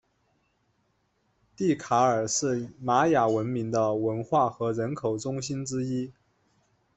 蒂卡尔是玛雅文明的文化和人口中心之一。